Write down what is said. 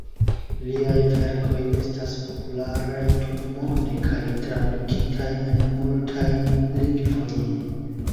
Liaj verkoj estas popularaj tutmonde kaj tradukitaj en multajn lingvojn.